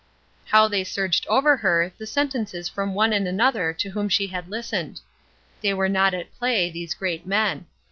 How they surged over her, the sentences from one and another to whom she had listened! They were not at play, these great men.